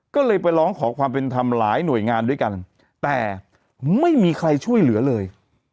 ก็เลยไปร้องขอความเป็นธรรมหลายหน่วยงานด้วยกันแต่ไม่มีใครช่วยเหลือเลย